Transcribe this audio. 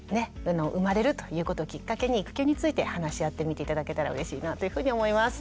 産まれるということをきっかけに育休について話し合ってみて頂けたらうれしいなというふうに思います。